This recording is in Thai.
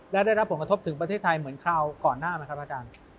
และได้รับผลกระทบถึงประเทศไทยเหมือนคราวก่อนหน้าไหมครับอาจารย์